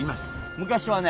昔はね